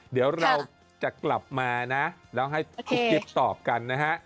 เดี๋ยวเราจะกลับมานะแล้วให้กุ๊กกิ๊บตอบกันนะฮะ